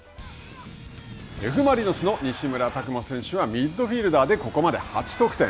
Ｆ・マリノスの西村拓真選手はミッドフィルダーでここまで８得点。